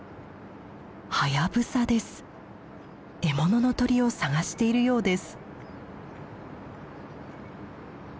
獲物の鳥を探しているようです。